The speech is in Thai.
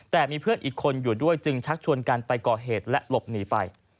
แต่มีเพื่อนอีกคนอยู่ด้วยจึงชักชวนกันไปก่อเหตุและหลบหนีไป